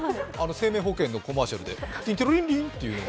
生命保険のコマーシャルで。